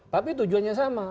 tapi tujuannya sama